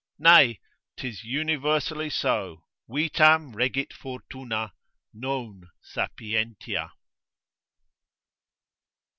Nay, 'tis universally so, Vitam regit fortuna, non sapientia.